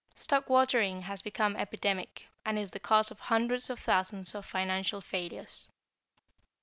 Stock watering has become epidemic, and is the cause of hundreds of thousands of financial failures.